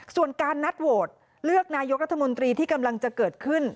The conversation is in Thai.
ส่วนการนัดโหวตเลือกนายกรัฐมนตรีที่กำลังจะเกิดขึ้น